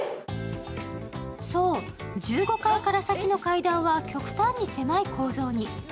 そう、１５階から先の階段は極端に狭い構造に。